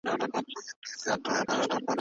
رابعه ناسته وه او د تندي ګونځې یې زیاتېدې.